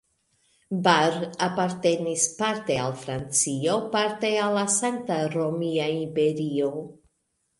Bar apartenis parte al Francio, parte al la Sankta Romia Imperio.